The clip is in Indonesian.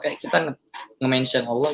seperti kita menyebutkan allah